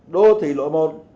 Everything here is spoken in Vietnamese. đô thị lội một